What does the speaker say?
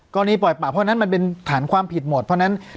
ปล่อยป่าเพราะฉะนั้นมันเป็นฐานความผิดหมดเพราะฉะนั้น